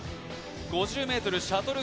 ５０ｍシャトル